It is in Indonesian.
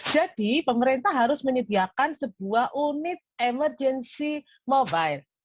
jadi pemerintah harus menyediakan sebuah unit emergensi mobile